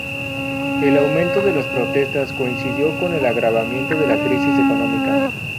El aumento de las protestas coincidió con el agravamiento de la crisis económica.